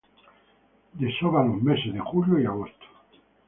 Desova los meses de julio y agosto.